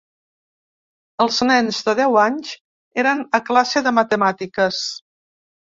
Els nens, de deu anys, eren a classe de matemàtiques.